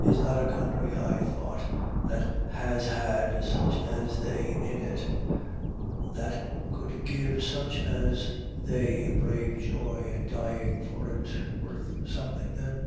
Is not a country, I thought, that has had such as they in it, that could give such as they a brave joy in dying for it, worth something, then?